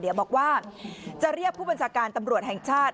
เดี๋ยวบอกว่าจะเรียกผู้บัญชาการตำรวจแห่งชาติ